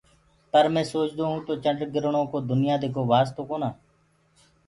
پر مينٚ سوچدو هيوُنٚ تو چنڊگرڻو ڪو دنيآ دي ڪو واستو ڪونآ۔